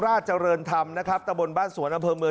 ราชเจริญธรรมนะครับตะบนบ้านสวนอำเภอเมือง